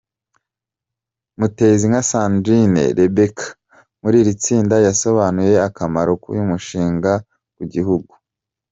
Mutezinka Sandirine Rebeka wo muri iri tsinda yasobanuye akamaro k’uyu mushinga ku gihugu.